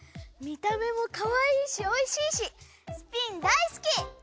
見た目もかわいいしおいしいしスピン大好き！